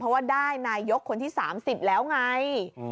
เพราะว่าได้นายกคนที่๓๐แล้วไง